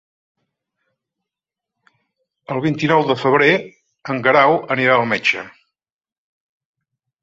El vint-i-nou de febrer en Guerau anirà al metge.